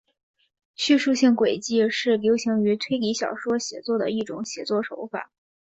叙述性诡计是流行于推理小说写作的一种写作手法。